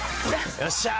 よっしゃー！